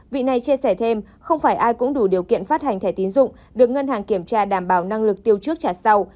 vị này chia sẻ thêm không phải ai cũng đủ điều kiện phát hành thẻ tín dụng được ngân hàng kiểm tra đảm bảo năng lực tiêu trước trả sau